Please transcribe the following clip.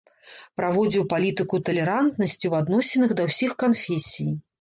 Праводзіў палітыку талерантнасці ў адносінах да ўсіх канфесій.